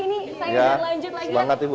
ini saya lanjut lagi